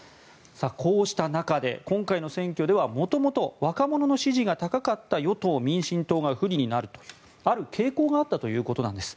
こうした中で今回の選挙では元々、若者の支持が高かった与党・民進党が不利になるという、ある傾向があったということなんです。